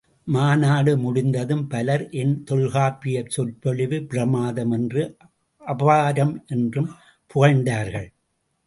மாநாடு முடிந்ததும் பலர் என் தொல்காப்பியச் சொற்பொழிவு பிரமாதம் என்றும் அபாரம் என்றும் புகழ்ந்தார்கள்.